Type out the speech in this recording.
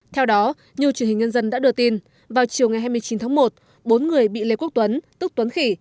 theo đó như truyền hình nhân dân đã đưa tin vào chiều ngày hai mươi chín tháng một bốn người bị lê quốc tuấn tức tuấn khỉ